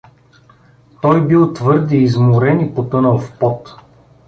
Той бил твърде изморен и потънал в пот.